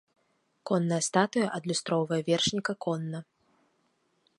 Конная статуя адлюстроўвае вершніка конна.